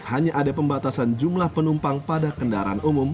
hanya ada pembatasan jumlah penumpang pada kendaraan umum